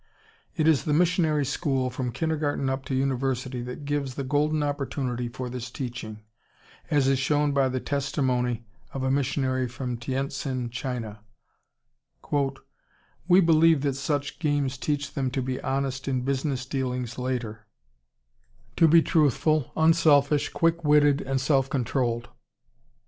It is the missionary school, from kindergarten up to university, that gives the golden opportunity for this teaching, as is shown by the testimony of a missionary from Tientsin, China: "We believe that such games teach them to be honest in business dealings later, to be truthful, unselfish, quick witted, and self controlled.